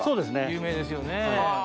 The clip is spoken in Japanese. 有名ですよね。